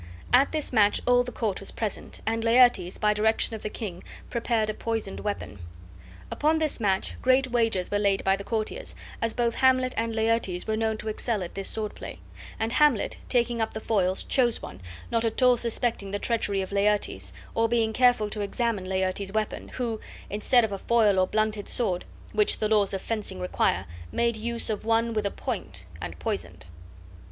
At this match all the court was present, and Laertes, by direction of the king, prepared a poisoned weapon. Upon this match great wagers were laid by the courtiers, as both Hamlet and Laertes were known to excel at this sword play; and Hamlet, taking up the foils, chose one, not at all suspecting the treachery of Laertes, or being careful to examine Laertes's weapon, who, instead of a foil or blunted sword, which the laws of fencing require, made use of one with a point, and poisoned.